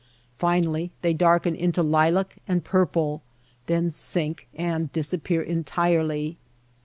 Finally they darken into lilac and purple, then sink and disappear entirely.